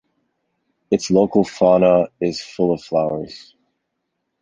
Its local fauna is full of flowers.